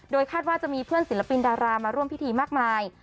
คาดว่าจะมีเพื่อนศิลปินดารามาร่วมพิธีมากมาย